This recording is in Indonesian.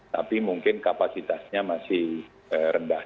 tapi mungkin kapasitasnya masih rendah